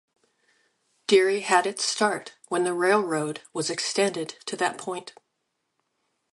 Deary had its start when the railroad was extended to that point.